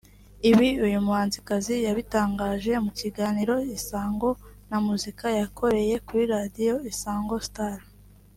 Ibi uyu muhanzikazi yabitangarije mu kiganiro Isango na muzika yakoreye kuri Radio Isango Star